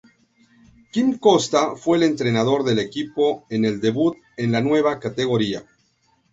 Quim Costa fue el entrenador del equipo en el debut en la nueva categoría.